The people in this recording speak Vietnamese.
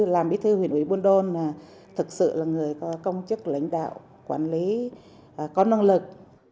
làm bí thư huyện ủy buôn đôn thực sự là người có công chức lãnh đạo quản lý có năng lực